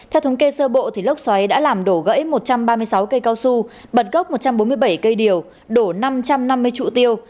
theo thống kê sơ bộ lốc xoáy đã làm đổ gãy một trăm ba mươi sáu cây cao su bật gốc một trăm bốn mươi bảy cây điều đổ năm trăm năm mươi trụ tiêu